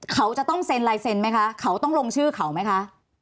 เขาจะต้องเซ็นลายเซ็นไหมคะเขาต้องลงชื่อเขาไหมคะ